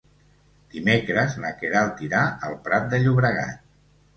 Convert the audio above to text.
Dimecres na Queralt irà al Prat de Llobregat.